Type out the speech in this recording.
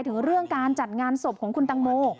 ถึงเรื่องการจัดงานศพของคุณตังโม